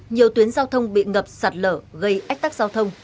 nhiều tuyến giao thông bị ngập sạt lở gây ách tắc giao thông